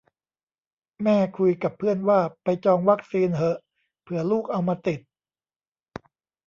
แม่คุยกับเพื่อนว่าไปจองวัคซีนเหอะ เผื่อลูกเอามาติด